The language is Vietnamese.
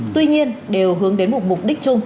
tuy nhiên đều hướng đến một mục đích chung